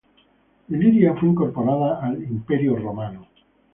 Iliria fue incorporada al Estado romano.